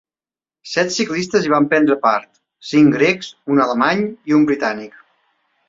Set ciclistes hi van prendre part, cinc grecs, un alemany i un britànic.